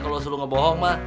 kalau suruh ngebohong mah